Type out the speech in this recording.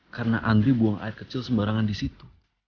karena andre buang air kecil sembarangan di situ